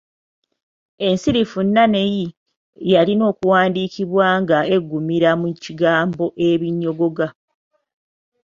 Ensirifu ‘ny’ yalina okuwandiikibwa nga eggumira mu kigambo ‘ebinyogoga’